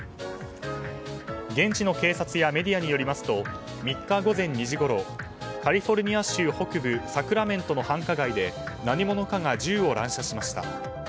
現地の警察やメディアによりますと３日午前２時ごろカリフォルニア州北部サクラメントの繁華街で何者かが銃を乱射しました。